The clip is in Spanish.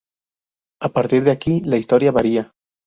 A partir de aquí, la historia varía.